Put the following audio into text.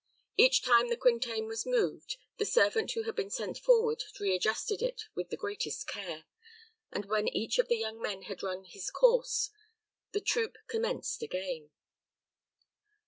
Each time the Quintain was moved, the servant who had been sent forward readjusted it with the greatest care, and when each of the young men had run his course, the troop commenced again.